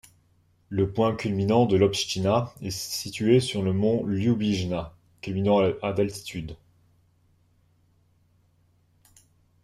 Le point culminant de l'opština est situé sur le mont Ljubišnja culminant à d'altitude.